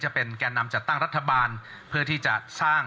จะเป็นเรื่องเดียวกัน